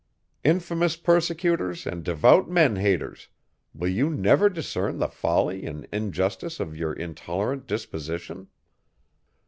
Infamous persecutors, and devout men haters! Will you never discern the folly and injustice of your intolerant disposition?